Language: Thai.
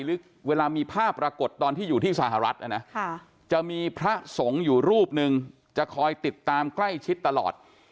หรือเวลามีภาพปรากฏตอนที่อยู่ที่สหรัฐนะจะมีพระสงฆ์อยู่รูปหนึ่งจะคอยติดตามใกล้ชิดตลอด